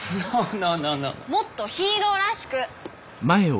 もっとヒーロらしく。